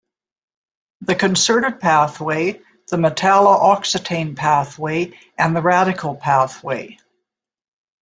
The concerted pathway, the metalla oxetane pathway and the radical pathway.